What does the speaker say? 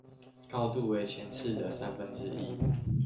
高度為前次的三分之一